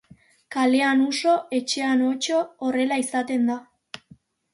Kalean uso, etxean otso, horrela izaten da.